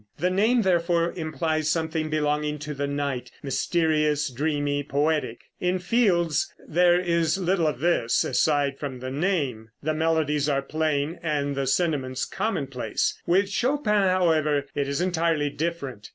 The name, therefore, implies something belonging to the night mysterious, dreamy, poetic. In Field's there is little of this, aside from the name; the melodies are plain and the sentiments commonplace. With Chopin, however, it is entirely different.